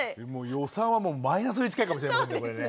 予算はもうマイナスに近いかもしれませんけどねこれね。